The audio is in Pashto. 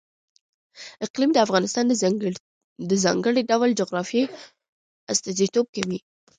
اقلیم د افغانستان د ځانګړي ډول جغرافیه استازیتوب کوي.